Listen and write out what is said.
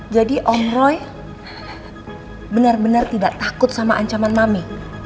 jadi om roy bener bener tidak takut sama ancaman mami